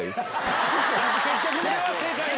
それは正解です。